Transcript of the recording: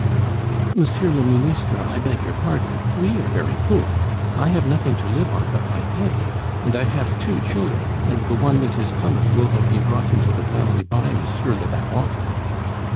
"Monsieur le Ministre, I beg your pardon. We are very poor. I have nothing to live on but my pay, and I have two children, and the one that is coming will have been brought into the family by Monsieur le Baron."